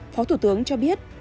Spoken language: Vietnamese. phó thủ tướng cho biết